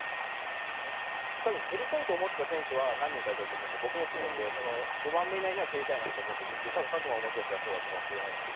蹴りたいと思っていた選手は何人かいたと思うんで僕も含めて５番目以内には蹴りたいなと思ってたし拓磨もそうだったと思いますよ。